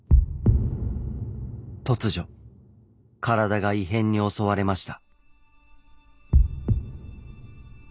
突如体が異変に襲われました。